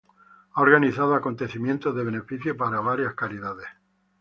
Ha organizado acontecimientos de beneficio para varias caridades.